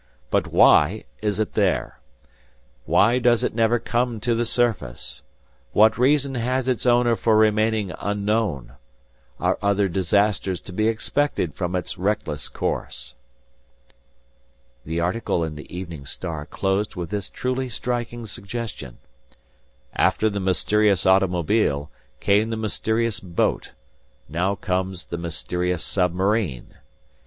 But why is it there? Why does it never come to the surface? What reason has its owner for remaining unknown? Are other disasters to be expected from its reckless course?" The article in the Evening Star closed with this truly striking suggestion: "After the mysterious automobile, came the mysterious boat. Now comes the mysterious submarine.